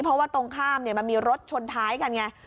เพราะว่าตรงข้ามมันมีรถชนท้ายกันไง